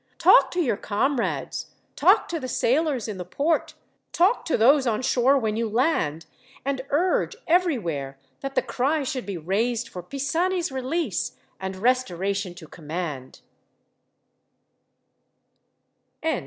Talk to your comrades, talk to the sailors in the port, talk to those on shore when you land, and urge, everywhere, that the cry should be raised for Pisani's release, and restoration to command."